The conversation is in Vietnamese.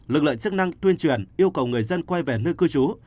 lực lượng chức năng tuyên truyền yêu cầu người dân quay về nơi cư trú